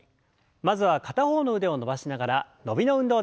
まずは片方の腕を伸ばしながら伸びの運動です。